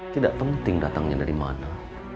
tidak penting datangnya dari mana